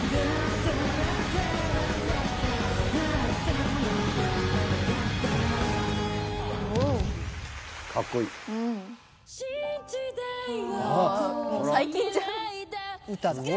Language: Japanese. すごいね。